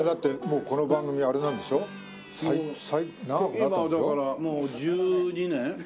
今だからもう１２年？